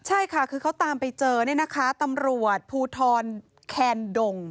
ใช่ค่ะคือเขาตามไปเจอเนี่ยนะคะตำรวจภูทรแคนดง